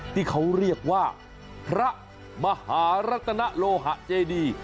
ที่เขาเรียกว่าพระมหารัตนโลหะเจดี